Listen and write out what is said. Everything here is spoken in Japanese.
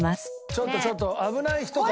ちょっとちょっと危ない人かも。